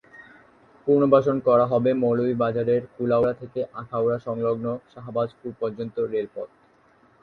পুনর্বাসন করা হবে মৌলভীবাজারের কুলাউড়া থেকে আখাউড়া সংলগ্ন শাহবাজপুর পর্যন্ত রেলপথ।